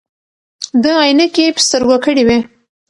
ده عینکې په سترګو کړې وې.